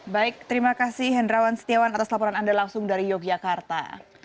baik terima kasih hendrawan setiawan atas laporan anda langsung dari yogyakarta